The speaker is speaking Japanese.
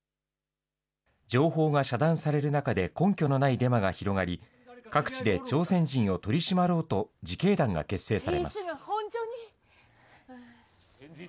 情報が遮断される中で根拠のないデマが広がり、各地で朝鮮人を取り締まろうと自警団が結成されます。